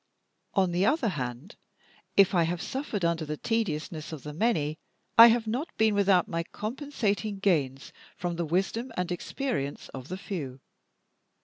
On the other hand, if I have suffered under the tediousness of the many, I have not been without my compensating gains from the wisdom and experience of the few.